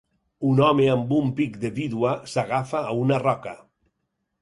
Un home amb un pic de vídua s'agafa a una roca.